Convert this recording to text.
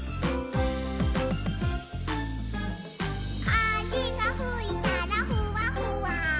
「かぜがふいたらふわふわ」